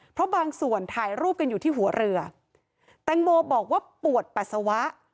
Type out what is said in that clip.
เพราะบางส่วนถ่ายรูปกันอยู่ที่หัวเรือแตงโมบอกว่าปวดปัสสาวะ